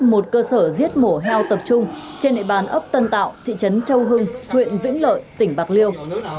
một cơ sở giết mổ heo tập trung trên địa bàn ấp tân tạo thị trấn châu hưng huyện vĩnh lợi tỉnh bạc liêu